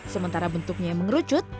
sementara bentuknya yang mengerucut